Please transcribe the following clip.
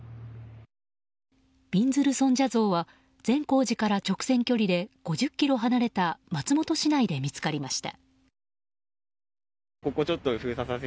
びんずる尊者像は善光寺から直線距離で５０ｋｍ離れた松本市内で見つかりました。